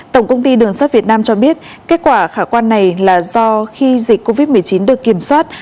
tổng công ty đường sắt việt nam cho biết kết quả khả quan này là do khi dịch covid một mươi chín được kiểm soát